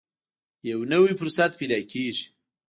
یو نوی فرصت پیدا کېږي.